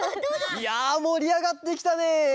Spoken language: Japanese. いやもりあがってきたね！